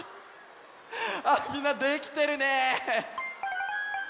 あっみんなできてるね！